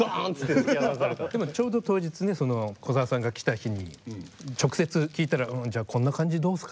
でもちょうど当日ね古沢さんが来た日に直接聞いたらじゃあこんな感じでどうですか？